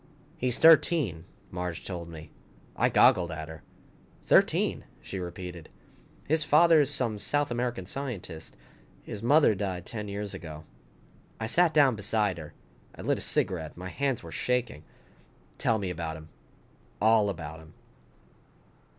"He's thirteen," Marge told me. I goggled at her. "Thirteen," she repeated. "His father is some South American scientist. His mother died ten years ago." I sat down beside her. I lit a cigarette. My hands were shaking. "Tell me about him. All about him."